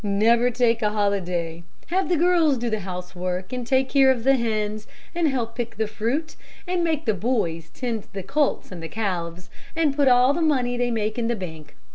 Never take a holiday. Have the girls do the housework, and take care of the hens, and help pick the fruit, and make the boys tend the colts and the calves, and put all the money they make in the bank.